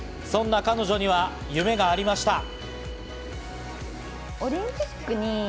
そんな彼女には夢がありました。